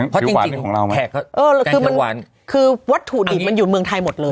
เพราะจริงแขกก็แกงเขียวหวานคือวัตถุดิบมันอยู่เมืองไทยหมดเลย